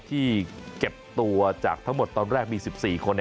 ที่เก็บตัวจากทั้งหมดตอนแรกมี๑๔คน